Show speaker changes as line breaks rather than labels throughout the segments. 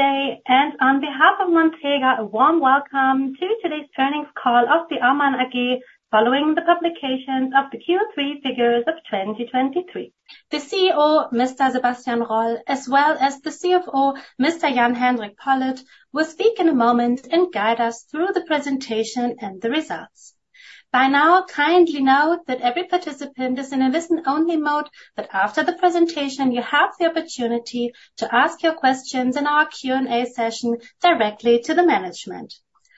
Good day, and on behalf of Montega, a warm welcome to today's earnings call of the Aumann AG, following the publication of the Q3 figures of 2023. The CEO, Mr. Sebastian Roll, as well as the CFO, Mr. Jan-Henrik Pollitt, will speak in a moment and guide us through the presentation and the results. By now, kindly note that every participant is in a listen-only mode, but after the presentation, you have the opportunity to ask your questions in our Q&A session directly to the management.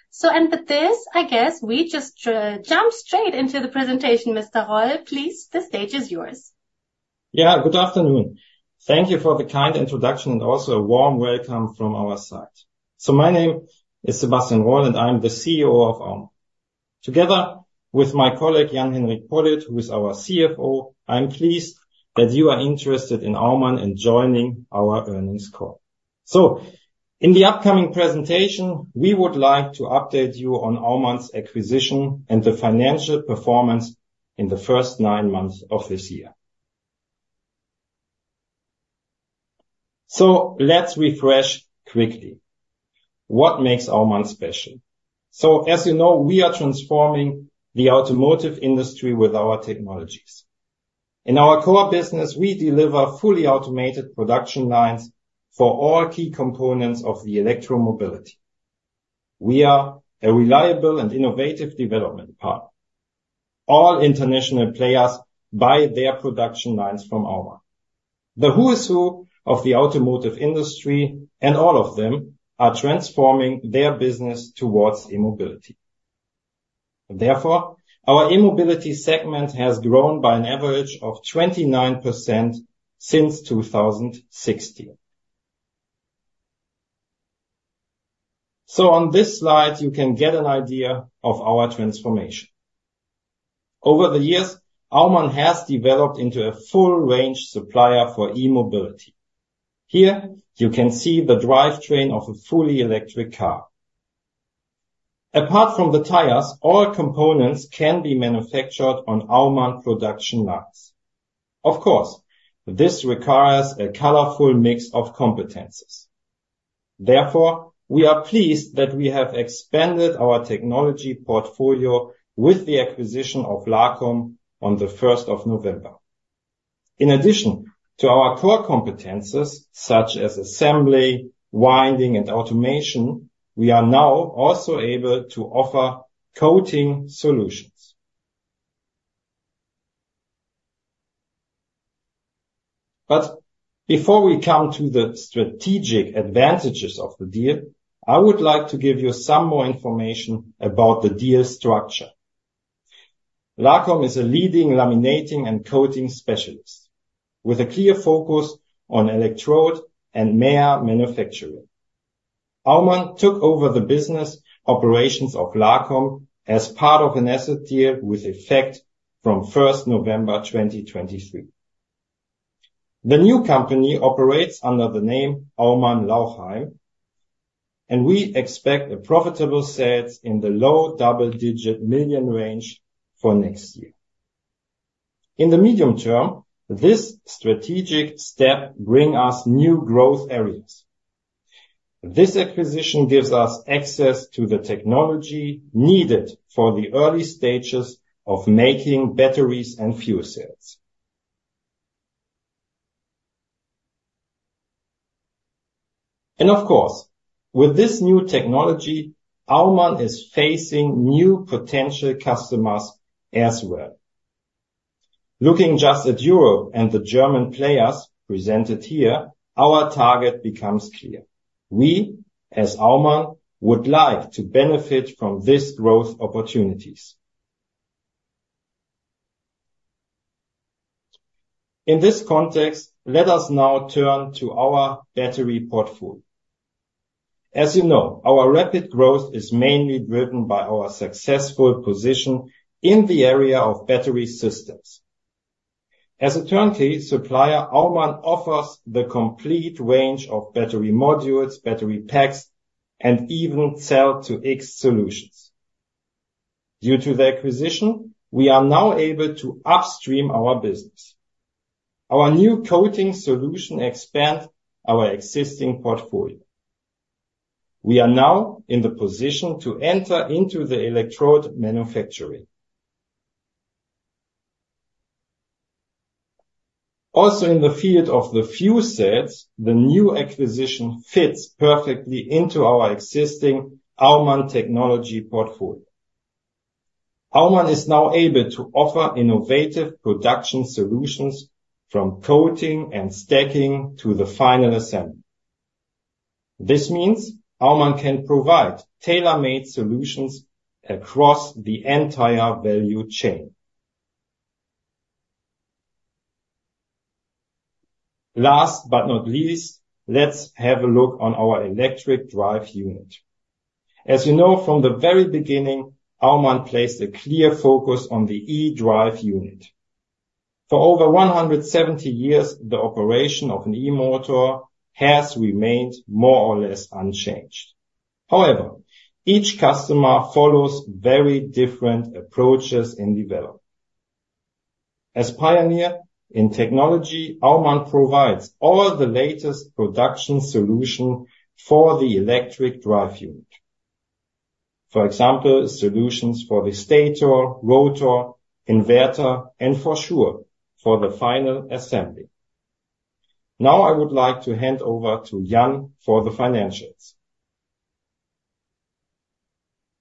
So and with this, I guess we just jump straight into the presentation. Mr. Roll, please, the stage is yours.
Yeah, good afternoon. Thank you for the kind introduction and also a warm welcome from our side. My name is Sebastian Roll, and I'm the CEO of Aumann. Together with my colleague, Jan-Henrik Pollitt, who is our CFO, I'm pleased that you are interested in Aumann and joining our earnings call. In the upcoming presentation, we would like to update you on Aumann's acquisition and the financial performance in the first nine months of this year. Let's refresh quickly. What makes Aumann special? As you know, we are transforming the automotive industry with our technologies. In our core business, we deliver fully automated production lines for all key components of the electromobility. We are a reliable and innovative development partner. All international players buy their production lines from Aumann. The who's who of the automotive industry, and all of them are transforming their business towards e-mobility. Therefore, our e-mobility segment has grown by an average of 29% since 2016. On this slide, you can get an idea of our transformation. Over the years, Aumann has developed into a full-range supplier for e-mobility. Here you can see the drivetrain of a fully electric car. Apart from the tires, all components can be manufactured on Aumann production lines. Of course, this requires a colorful mix of competencies. Therefore, we are pleased that we have expanded our technology portfolio with the acquisition of LACOM on the first of November. In addition to our core competencies, such as assembly, winding, and automation, we are now also able to offer coating solutions. Before we come to the strategic advantages of the deal, I would like to give you some more information about the deal structure. LACOM is a leading laminating and coating specialist with a clear focus on electrode and MEA manufacturing. Aumann took over the business operations of LACOM as part of an asset deal with effect from November 1, 2023. The new company operates under the name Aumann Lauchheim, and we expect a profitable sales in the low double-digit million EUR range for next year. In the medium term, this strategic step bring us new growth areas. This acquisition gives us access to the technology needed for the early stages of making batteries and fuel cells. And of course, with this new technology, Aumann is facing new potential customers as well. Looking just at Europe and the German players presented here, our target becomes clear. We, as Aumann, would like to benefit from this growth opportunities. In this context, let us now turn to our battery portfolio. As you know, our rapid growth is mainly driven by our successful position in the area of battery systems. As a turnkey supplier, Aumann offers the complete range of battery modules, battery packs, and even Cell-to-X solutions. Due to the acquisition, we are now able to upstream our business. Our new coating solution expand our existing portfolio. We are now in the position to enter into the electrode manufacturing. Also, in the field of the fuel cells, the new acquisition fits perfectly into our existing Aumann technology portfolio. Aumann is now able to offer innovative production solutions from coating and stacking to the final assembly. This means Aumann can provide tailor-made solutions across the entire value chain. Last but not least, let's have a look on our electric drive unit. As you know, from the very beginning, Aumann placed a clear focus on the E-driveunit. For over 170 years, the operation of an e-motor has remained more or less unchanged. However, each customer follows very different approaches in development.... As pioneer in technology, Aumann provides all the latest production solution for the electric drive unit. For example, solutions for the stator, rotor, inverter, and for sure, for the final assembly. Now, I would like to hand over to Jan for the financials.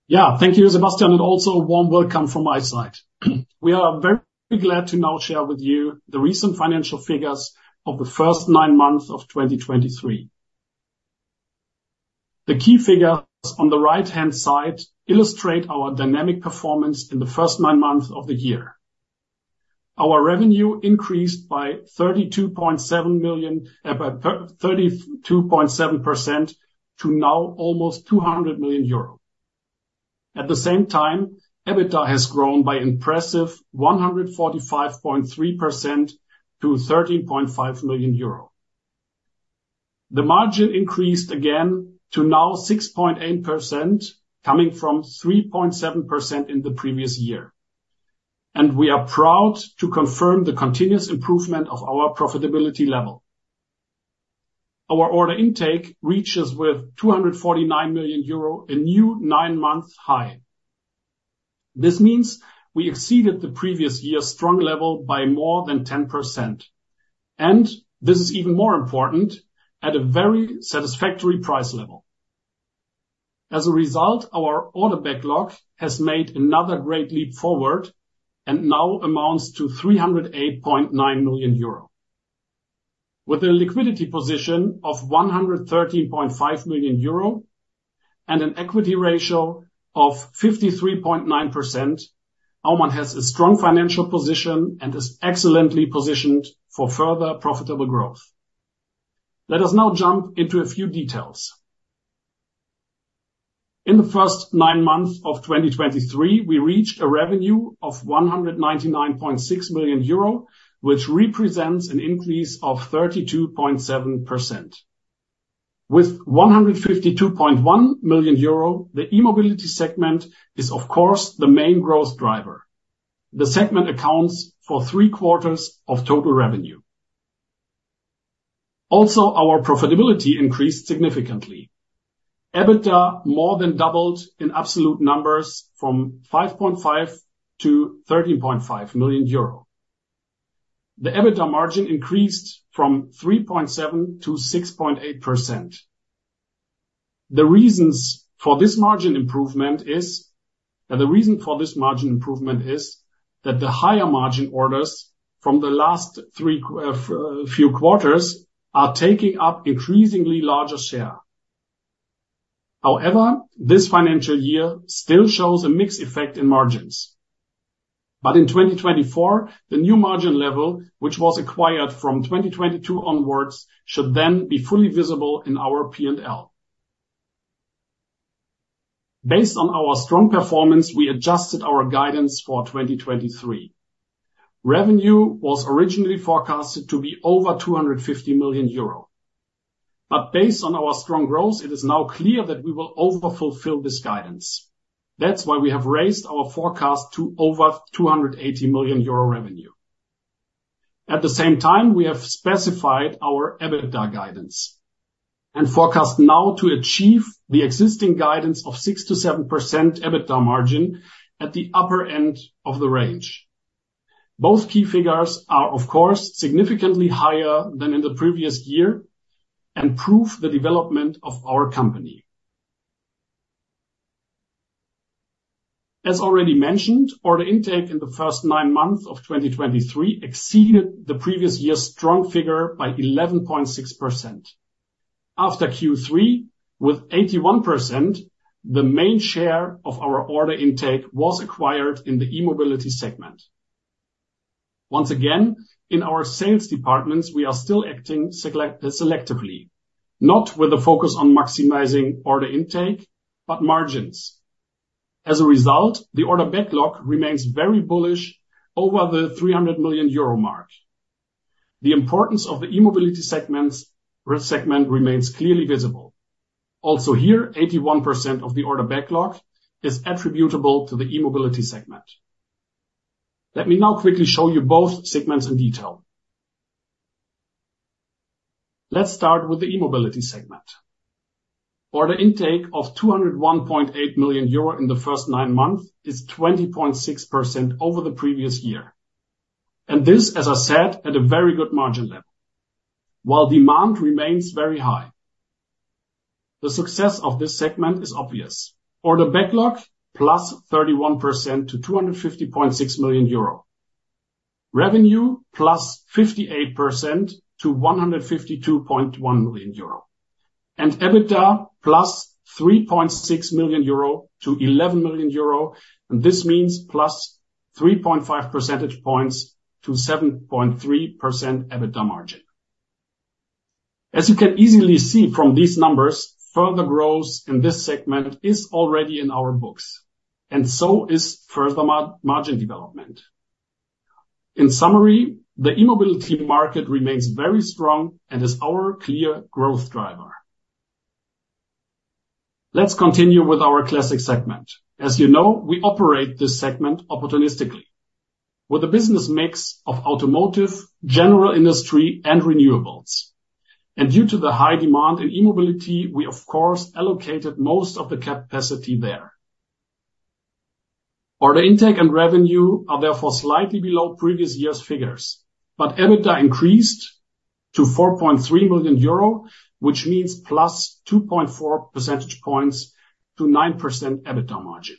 Yeah, thank you, Sebastian, and also a warm welcome from my side. We are very glad to now share with you the recent financial figures of the first nine months of 2023. The key figures on the right-hand side illustrate our dynamic performance in the first nine months of the year. Our revenue increased by 32.7 million by 32.7% to now almost 200 million euro. At the same time, EBITDA has grown by impressive 145.3% to 13.5 million euro. The margin increased again to now 6.8%, coming from 3.7% in the previous year. We are proud to confirm the continuous improvement of our profitability level. Our order intake reaches with 249 million euro, a new nine-month high. This means we exceeded the previous year's strong level by more than 10%, and this is even more important, at a very satisfactory price level. As a result, our order backlog has made another great leap forward and now amounts to 308.9 million euro. With a liquidity position of 113.5 million euro and an equity ratio of 53.9%, Aumann has a strong financial position and is excellently positioned for further profitable growth. Let us now jump into a few details. In the first nine months of 2023, we reached a revenue of 199.6 million euro, which represents an increase of 32.7%. With 152.1 million euro, the E-Mobility segment is, of course, the main growth driver. The segment accounts for three quarters of total revenue. Also, our profitability increased significantly. EBITDA more than doubled in absolute numbers from 5.5 million euro to 13.5 million euro. The EBITDA margin increased from 3.7% to 6.8%. The reasons for this margin improvement is. Now, the reason for this margin improvement is that the higher margin orders from the last few quarters are taking up increasingly larger share. However, this financial year still shows a mixed effect in margins. But in 2024, the new margin level, which was acquired from 2022 onwards, should then be fully visible in our P&L. Based on our strong performance, we adjusted our guidance for 2023. Revenue was originally forecasted to be over 250 million euro. But based on our strong growth, it is now clear that we will overfulfill this guidance. That's why we have raised our forecast to over 280 million euro revenue. At the same time, we have specified our EBITDA guidance, and forecast now to achieve the existing guidance of 6%-7% EBITDA margin at the upper end of the range. Both key figures are, of course, significantly higher than in the previous year and prove the development of our company. As already mentioned, order intake in the first nine months of 2023 exceeded the previous year's strong figure by 11.6%. After Q3, with 81%, the main share of our order intake was acquired in the e-mobility segment. Once again, in our sales departments, we are still acting selectively, not with a focus on maximizing order intake, but margins. As a result, the order backlog remains very bullish over the 300 million euro mark. The importance of the e-Mobility segment remains clearly visible. Also here, 81% of the order backlog is attributable to the e-Mobility segment. Let me now quickly show you both segments in detail. Let's start with the e-Mobility segment. Order intake of 201.8 million euro in the first nine months is 20.6% over the previous year. And this, as I said, at a very good margin level, while demand remains very high. The success of this segment is obvious. Order backlog, +31% to 250.6 million euro. Revenue, +58% to 152.1 million euro. EBITDA, +3.6 million-11 million euro, and this means +3.5 percentage points to 7.3% EBITDA margin. As you can easily see from these numbers, further growth in this segment is already in our books, and so is further margin development. In summary, the e-mobility market remains very strong and is our clear growth driver.... Let's continue with our classic segment. As you know, we operate this segment opportunistically. With a business mix of automotive, general industry, and renewables, and due to the high demand in e-mobility, we of course allocated most of the capacity there. Order intake and revenue are therefore slightly below previous year's figures, but EBITDA increased to 4.3 million euro, which means +2.4 percentage points to 9% EBITDA margin.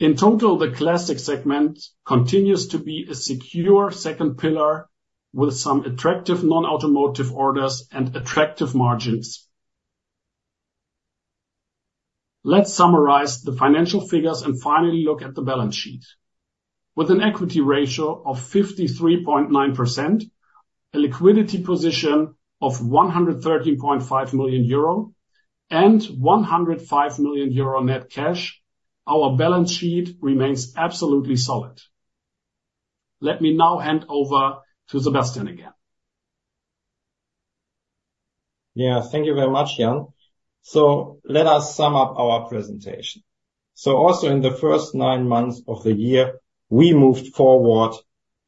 In total, the classic segment continues to be a secure second pillar, with some attractive non-automotive orders and attractive margins. Let's summarize the financial figures and finally look at the balance sheet. With an equity ratio of 53.9%, a liquidity position of 113.5 million euro, and 105 million euro net cash, our balance sheet remains absolutely solid. Let me now hand over to Sebastian again.
Yeah, thank you very much, Jan. So let us sum up our presentation. So also, in the first nine months of the year, we moved forward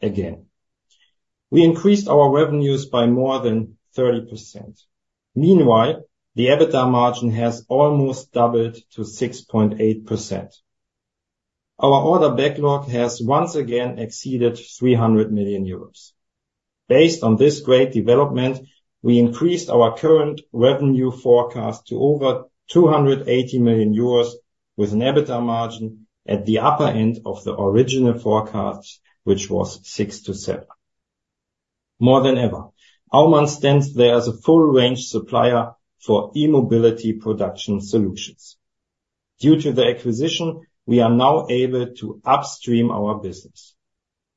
again. We increased our revenues by more than 30%. Meanwhile, the EBITDA margin has almost doubled to 6.8%. Our order backlog has once again exceeded 300 million euros. Based on this great development, we increased our current revenue forecast to over 280 million euros, with an EBITDA margin at the upper end of the original forecast, which was 6%-7%. More than ever, Aumann stands there as a full range supplier for e-mobility production solutions. Due to the acquisition, we are now able to upstream our business.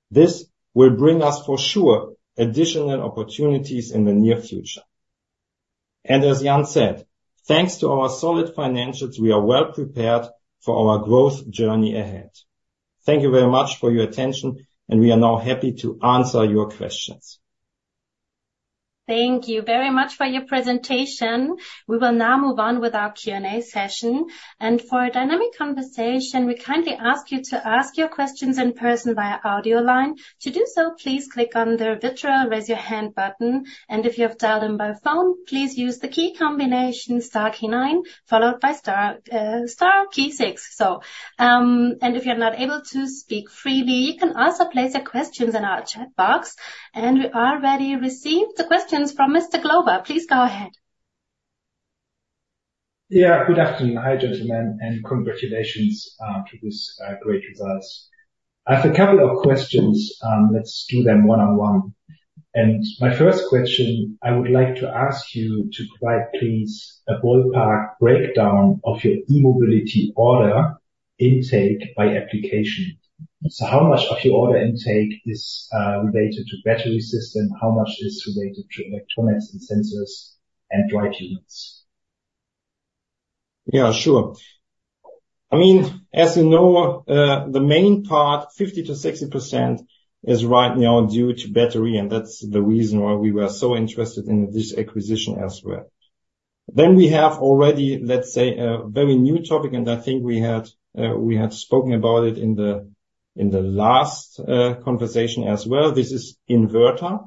This will bring us, for sure, additional opportunities in the near future. As Jan said, thanks to our solid financials, we are well prepared for our growth journey ahead. Thank you very much for your attention, and we are now happy to answer your questions.
Thank you very much for your presentation. We will now move on with our Q&A session, and for a dynamic conversation, we kindly ask you to ask your questions in person via audio line. To do so, please click on the virtual Raise Your Hand button, and if you have dialed in by phone, please use the key combination star key nine, followed by star, star key six. And if you're not able to speak freely, you can also place your questions in our chat box, and we already received the questions from Mr. Glowa. Please go ahead.
Yeah, good afternoon. Hi, gentlemen, and congratulations to this great results. I have a couple of questions. Let's do them one on one. My first question, I would like to ask you to provide, please, a ballpark breakdown of your e-mobility order intake by application. So how much of your order intake is related to battery system? How much is related to electronics and sensors and drive units?
Yeah, sure. I mean, as you know, the main part, 50%-60%, is right now due to battery, and that's the reason why we were so interested in this acquisition as well. Then we have already, let's say, a very new topic, and I think we had spoken about it in the last conversation as well. This is inverter.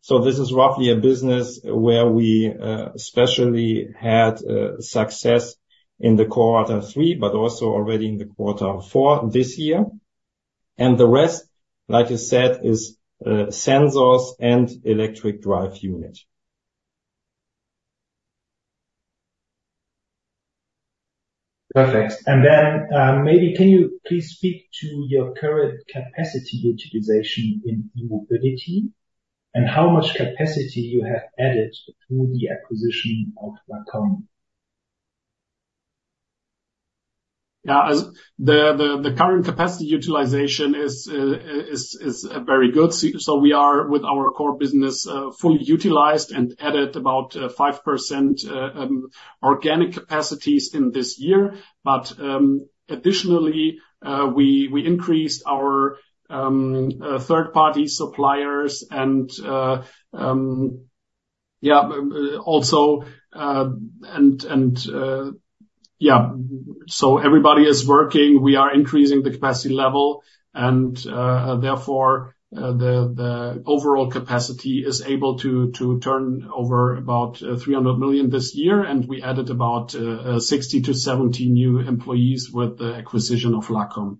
So this is roughly a business where we especially had success in the quarter three, but also already in the quarter four this year. And the rest, like you said, is sensors and electric drive unit.
Perfect. Then, maybe can you please speak to your current capacity utilization in E-Mobility, and how much capacity you have added through the acquisition of LACOM?
Yeah. As the current capacity utilization is very good. So we are, with our core business, fully utilized and added about 5% organic capacities in this year. But additionally, we increased our third-party suppliers and also. So everybody is working. We are increasing the capacity level and therefore the overall capacity is able to turn over about 300 million this year. And we added about 60-70 new employees with the acquisition of LACOM.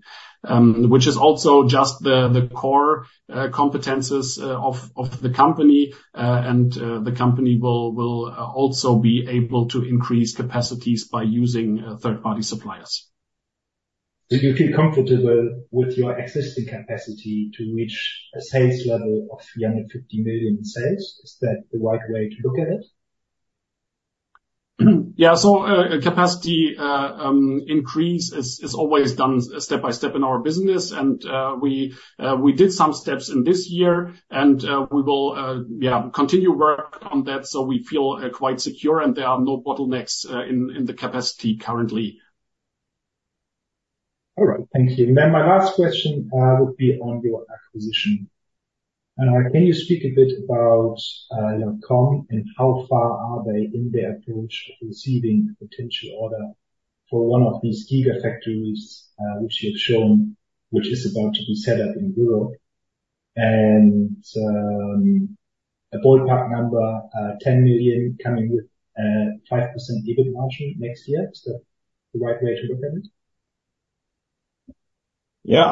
Which is also just the core competencies of the company. And the company will also be able to increase capacities by using third-party suppliers.
So you feel comfortable with your existing capacity to reach a sales level of 350 million in sales? Is that the right way to look at it?
Yeah. So, capacity increase is always done step by step in our business. And, we did some steps in this year, and, we will continue work on that. So we feel quite secure, and there are no bottlenecks in the capacity currently.
All right, thank you. And then my last question would be on your acquisition. Can you speak a bit about LACOM, and how far are they in their approach to receiving potential order for one of these gigafactories, which you've shown, which is about to be set up in Europe? And a ballpark number, 10 million coming with 5% EBIT margin next year. Is that the right way to look at it?
Yeah,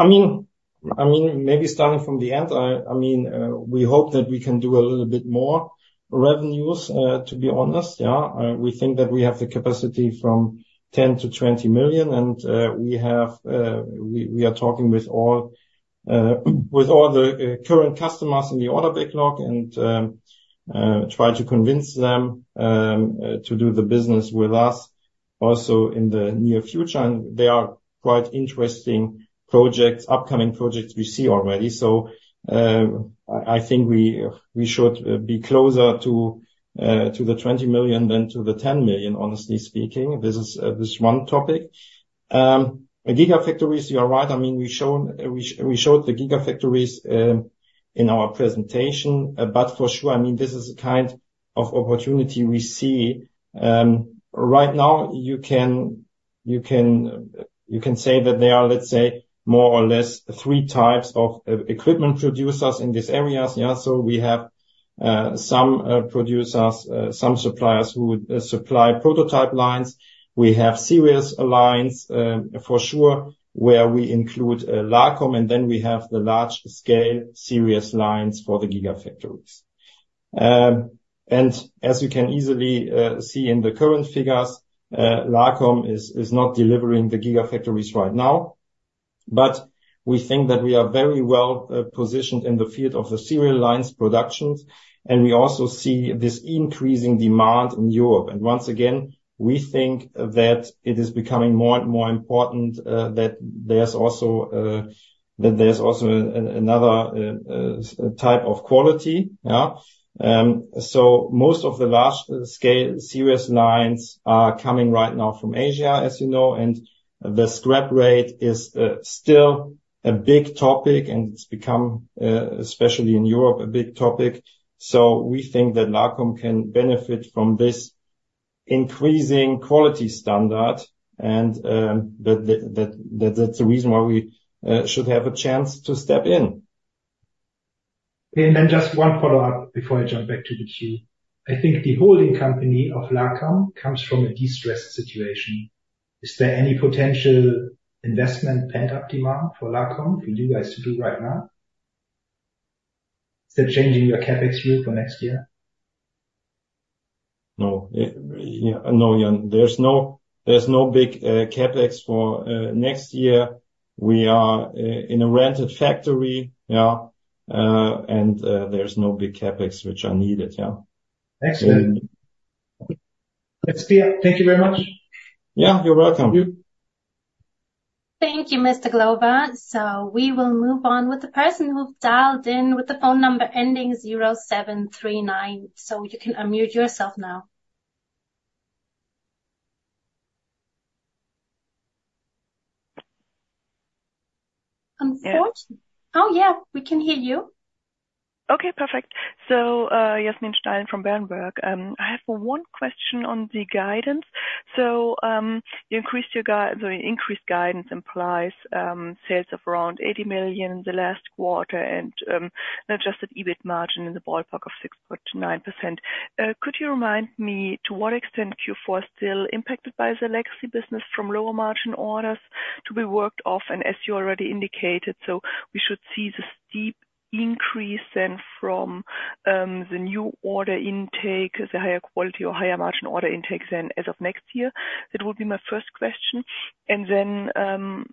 I mean, maybe starting from the end. I mean, we hope that we can do a little bit more revenues, to be honest. Yeah. We think that we have the capacity from 10 million to 20 million, and we have, we are talking with all, with all the current customers in the order backlog and try to convince them to do the business with us also in the near future. And there are quite interesting projects, upcoming projects we see already. So, I think we should be closer to the 20 million than to the 10 million, honestly speaking. This is this one topic. Gigafactories, you are right. I mean, we showed the gigafactories in our presentation. But for sure, I mean, this is the kind of opportunity we see. Right now, you can, you can, you can say that there are, let's say, more or less three types of e-equipment producers in these areas. Yeah, so we have some producers, some suppliers who would supply prototype lines. We have serial lines, for sure, where we include LACOM, and then we have the large-scale serial lines for the gigafactories. And as you can easily see in the current figures, LACOM is not delivering the gigafactories right now. But we think that we are very well positioned in the field of the serial lines productions, and we also see this increasing demand in Europe. Once again, we think that it is becoming more and more important that there's also another type of quality. Yeah. So most of the large-scale serial lines are coming right now from Asia, as you know, and the scrap rate is still a big topic, and it's become especially in Europe, a big topic. So we think that LACOM can benefit from this increasing quality standard and that that's the reason why we should have a chance to step in.
Just one follow-up before I jump back to the queue. I think the holding company of LACOM comes from a distressed situation. Is there any potential investment pent-up demand for LACOM for you guys to do right now? Is that changing your CapEx view for next year?
No. Yeah, no, Jan, there's no big CapEx for next year. We are in a rented factory, yeah, and there's no big CapEx which are needed, yeah.
Excellent. Thanks, Pia. Thank you very much.
Yeah, you're welcome.
Thank you.
Thank you, Mr. Glowa. So we will move on with the person who've dialed in with the phone number ending 0739. So you can unmute yourself now. Unfortunately... Oh, yeah, we can hear you.
Okay, perfect. So, Yasmin Steilen from Berenberg. I have one question on the guidance. So, you increased your guidance, so increased guidance implies sales of around 80 million in the last quarter, and adjusted EBIT margin in the ballpark of 6.9%. Could you remind me to what extent Q4 is still impacted by the legacy business from lower margin orders to be worked off? And as you already indicated, so we should see the steep increase then from the new order intake, the higher quality or higher margin order intake then as of next year? That would be my first question. And then,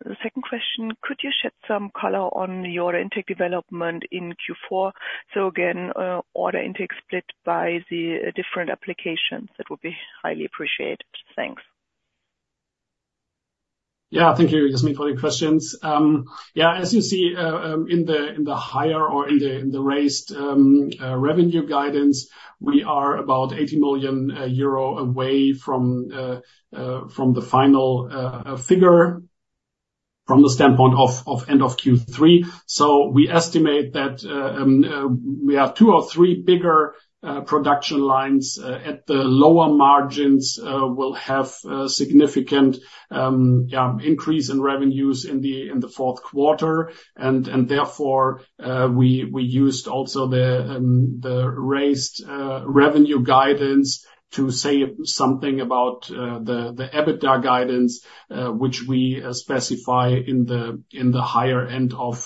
the second question, could you shed some color on your intake development in Q4? So again, order intake split by the different applications. That would be highly appreciated. Thanks.
Yeah, thank you, Yasmin, for your questions. Yeah, as you see, in the raised revenue guidance, we are about 80 million euro away from the final figure from the standpoint of end of Q3. So we estimate that we have two or three bigger production lines at the lower margins will have significant increase in revenues in the fourth quarter. And therefore, we used also the raised revenue guidance to say something about the EBITDA guidance, which we specify in the higher end of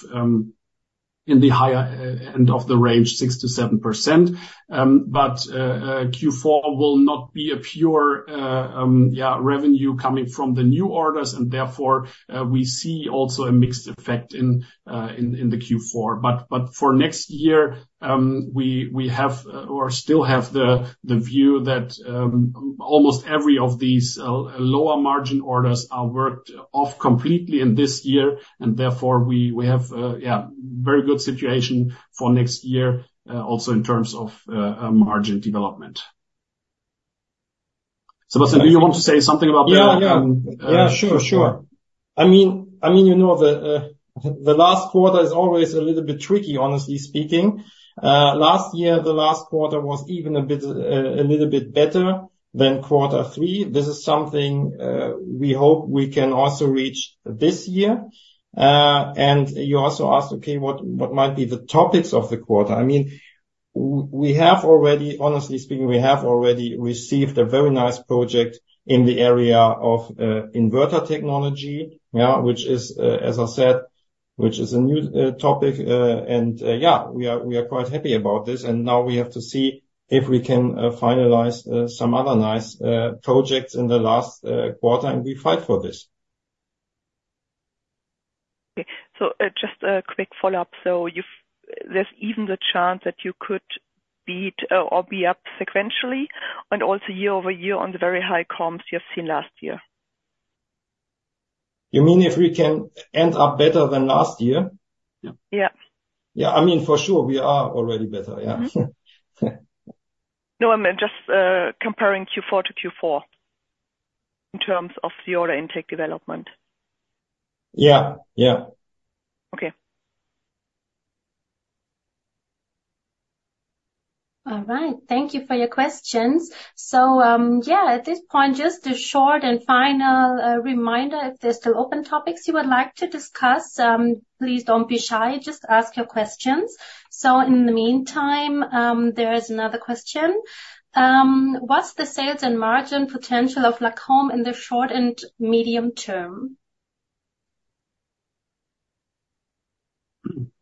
the range, 6%-7%. But Q4 will not be a pure, yeah, revenue coming from the new orders, and therefore we see also a mixed effect in the Q4. But for next year, we have or still have the view that almost every of these lower margin orders are worked off completely in this year, and therefore we have yeah, very good situation for next year, also in terms of margin development. Sebastian, do you want to say something about that?
Yeah, yeah. Yeah, sure, sure. I mean, I mean, you know, the last quarter is always a little bit tricky, honestly speaking. Last year, the last quarter was even a bit, a little bit better than quarter three. This is something we hope we can also reach this year. And you also asked, okay, what, what might be the topics of the quarter? I mean, we have already, honestly speaking, we have already received a very nice project in the area of inverter technology, yeah, which is, as I said, which is a new topic. And, yeah, we are, we are quite happy about this, and now we have to see if we can finalize some other nice projects in the last quarter, and we fight for this.
Okay, so, just a quick follow-up. So, there's even the chance that you could beat or be up sequentially and also year over year on the very high comps you have seen last year?
You mean if we can end up better than last year?
Yeah.
Yeah.
Yeah. I mean, for sure, we are already better. Yeah.
No, I meant just comparing Q4 to Q4, in terms of the order intake development.
Yeah, yeah.
Okay.
All right. Thank you for your questions. So, yeah, at this point, just a short and final reminder. If there's still open topics you would like to discuss, please don't be shy, just ask your questions. So in the meantime, there is another question. What's the sales and margin potential of LACOM in the short and medium term?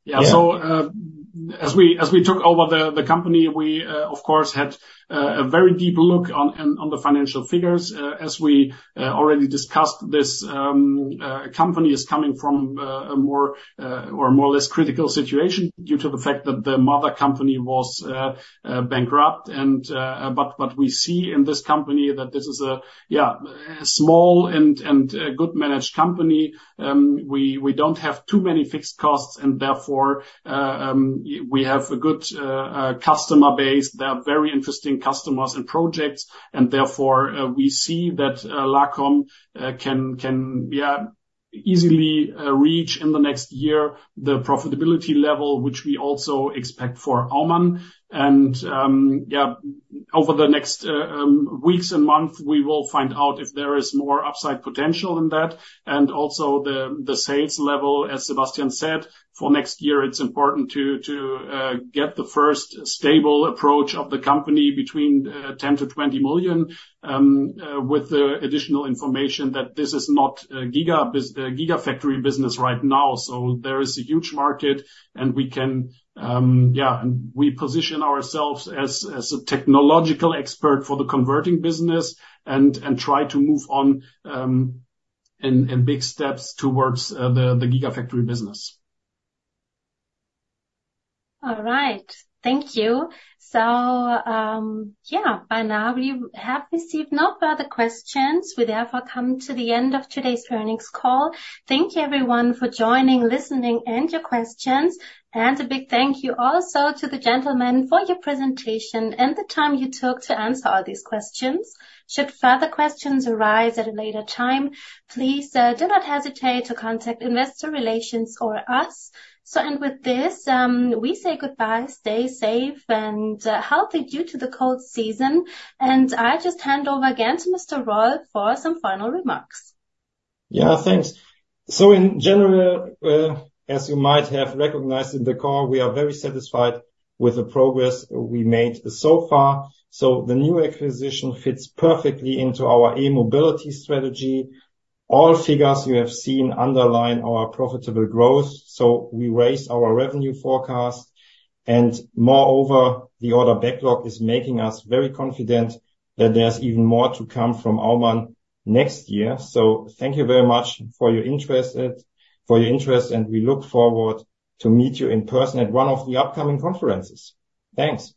Yeah, so, as we as we took over the the company, we of course had a very deep look on on the financial figures. As we already discussed, this company is coming from a more or a more or less critical situation due to the fact that the mother company was bankrupt. But what we see in this company that this is a yeah a small and and a good managed company. We don't have too many fixed costs, and therefore we have a good customer base. There are very interesting customers and projects, and therefore we see that LACOM can yeah easily reach in the next year the profitability level, which we also expect for Aumann. Yeah, over the next weeks and months, we will find out if there is more upside potential in that. Also the sales level, as Sebastian said, for next year, it's important to get the first stable approach of the company between 10 million-20 million. With the additional information that this is not a Gigafactory business right now, so there is a huge market, and we can, yeah, and we position ourselves as a technological expert for the converting business and try to move on, in big steps towards the Gigafactory business.
All right. Thank you. So, yeah, by now we have received no further questions. We therefore come to the end of today's earnings call. Thank you, everyone, for joining, listening, and your questions. And a big thank you also to the gentlemen for your presentation and the time you took to answer all these questions. Should further questions arise at a later time, please, do not hesitate to contact Investor Relations or us. So, and with this, we say goodbye. Stay safe and, healthy due to the cold season. And I just hand over again to Mr. Roll for some final remarks.
Yeah, thanks. So in general, as you might have recognized in the call, we are very satisfied with the progress we made so far. So the new acquisition fits perfectly into our e-mobility strategy. All figures you have seen underline our profitable growth, so we raised our revenue forecast, and moreover, the order backlog is making us very confident that there's even more to come from Aumann next year. So thank you very much for your interest, for your interest, and we look forward to meet you in person at one of the upcoming conferences. Thanks!